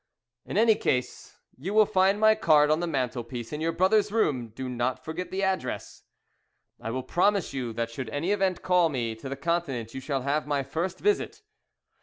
"In any case, you will find my card on the mantelpiece in your brother's room do not forget the address." "I will promise you that should any event call me to the Continent you shall have my first visit."